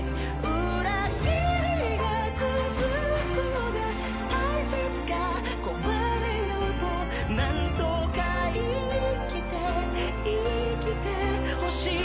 裏切りが続こうが「大切」が壊れようと何とか生きて、生きて欲しい。